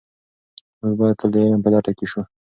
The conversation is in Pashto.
موږ باید تل د علم په لټه کې سو.